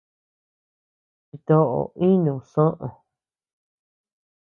Chitó inu soʼö.